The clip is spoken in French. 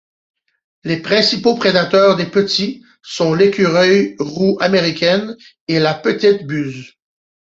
Les principaux prédateurs des petits sont l'écureuil roux américain et la petite buse.